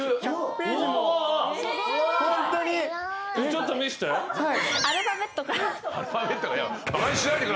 ちょっと見して。